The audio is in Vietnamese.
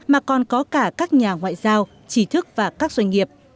mà còn có cả các nhà ngoại giao trí thức và các doanh nghiệp